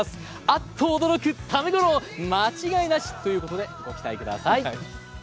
あっと驚くタメ五郎、間違いなしということでご期待ください。